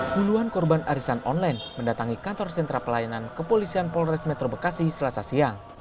puluhan korban arisan online mendatangi kantor sentra pelayanan kepolisian polres metro bekasi selasa siang